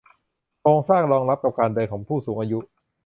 โครงสร้างรองรับกับการเดินของผู้สูงอายุ